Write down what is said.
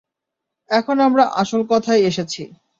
এখন আমরা আসল কথায় এসেছি।